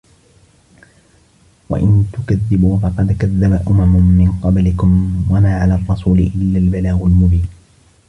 وَإِنْ تُكَذِّبُوا فَقَدْ كَذَّبَ أُمَمٌ مِنْ قَبْلِكُمْ وَمَا عَلَى الرَّسُولِ إِلَّا الْبَلَاغُ الْمُبِينُ